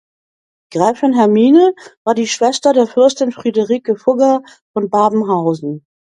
Gräfin Hermine war die Schwester der Fürstin Friederike Fugger von Babenhausen.